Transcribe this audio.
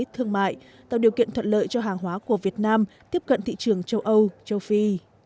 thương mại tạo điều kiện thuận lợi cho hàng hóa của việt nam tiếp cận thị trường châu âu châu phi